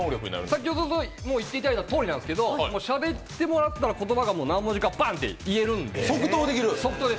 先ほどいっていただいたとおりですけどしゃべってもらったら言葉が何文字かバンって言えるんで。